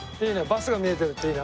バスが見えてるっていいね。